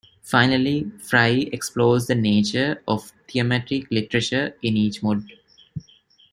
Finally, Frye explores the nature of thematic literature in each mode.